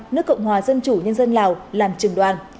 nước cộng hòa dân chủ nhân dân lào làm trường đoàn